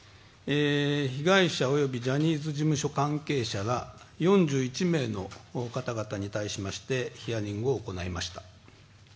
被害者およびジャニーズ事務所関係者ら４１名の方々に対しましてヒアリングを行いました。